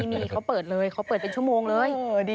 ไม่มีเขาเปิดเลยเขาเปิดเป็นชั่วโมงเลย